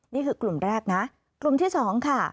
นี่คือกลุ่มแรกนะกลุ่มที่๒ค่ะ